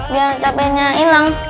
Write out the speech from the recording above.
biar capeknya hilang